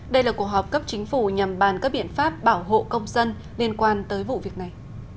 đây là cuộc họp cấp chính phủ nhằm bàn các biện pháp bảo hộ công dân liên quan tới vụ việc này